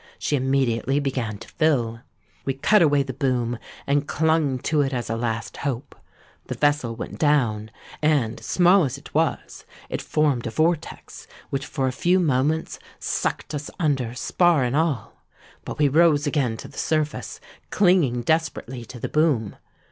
She immediately began to fill. We cut away the boom, and clung to it as to a last hope. The vessel went down; and, small as it was, it formed a vortex which for a few moments sucked us under, spar and all. But we rose again to the surface, clinging desperately to the boom.